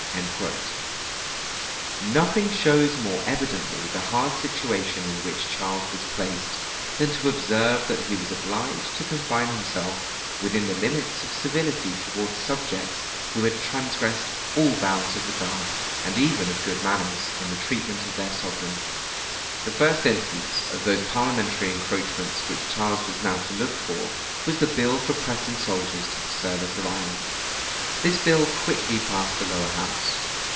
[*] Nothing shows more evidently the hard situation in which Charles was placed, than to observe that he was obliged to confine himself within the limits of civility towards subjects who had transgressed all bounds of regard, and even of good manners, in the treatment of their sovereign. The first instance of those parliamentary encroachments which Charles was now to look for, was the bill for pressing soldiers to the service of Ireland. This bill quickly passed the lower house.